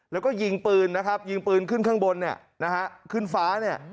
แล้วก็ยิงปืนนะครับยิงปืนขึ้นข้างบนเนี่ยนะฮะขึ้นฟ้าเนี่ย